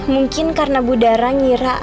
mungkin karena budara nyekek